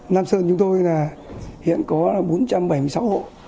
nam sơn chúng tôi là hiện có bốn trăm bảy mươi sáu hộ